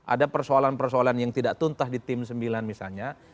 ada persoalan persoalan yang tidak tuntah di tim sembilan misalnya